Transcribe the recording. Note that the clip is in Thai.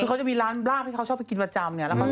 คือเขาจะมีร้านลาบที่เขาชอบไปกินประจำเนี่ย